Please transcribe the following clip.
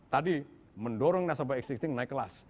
tadi mendorong nasabah existing naik kelas